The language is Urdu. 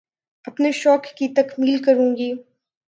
اپنے شوق کی تکمیل کروں گی